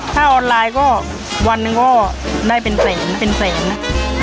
ถ้าออนไลน์ก็วันหนึ่งก็ได้เป็นแสนนะเป็นแสนนะ